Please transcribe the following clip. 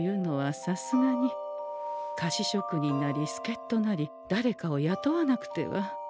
菓子職人なりすけっとなりだれかをやとわなくては。